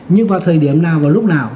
nhưng vào thời điểm nào và lúc nào